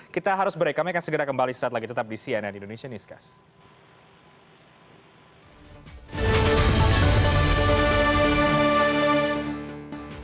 kita harus beri kami akan segera kembali setelah ini tetap di cnn indonesia newscast